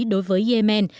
đối với yemen